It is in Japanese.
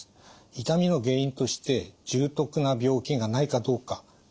痛みの原因として重篤な病気がないかどうかというチェックは必要です。